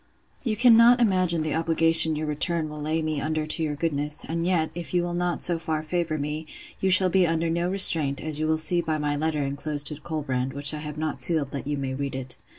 'You cannot imagine the obligation your return will lay me under to your goodness; and yet, if you will not so far favour me, you shall be under no restraint, as you will see by my letter enclosed to Colbrand; which I have not sealed, that you may read it.